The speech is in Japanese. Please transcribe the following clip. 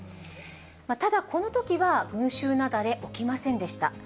ただ、このときは群衆雪崩起きませんでした。